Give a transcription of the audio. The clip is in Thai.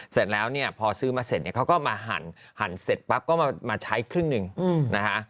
เสร็จแล้วเนี่ยพอซื้อมาเสร็จเนี่ยเขาก็มาหั่นเสร็จปั๊บก็มาใช้ครึ่งหนึ่งนะฮะ